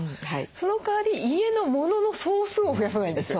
そのかわり家のモノの総数を増やさないんです。